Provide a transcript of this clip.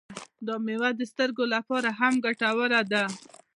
دا میوه د سترګو لپاره هم ګټوره ده.